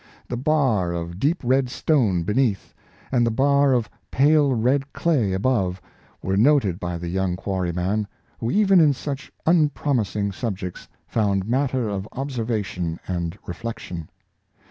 The bar of deep red stone beneath, and the bar of pale red clay above, were noted by the young quarry man, who even in such unpromising subjects found matter of observation and reflection.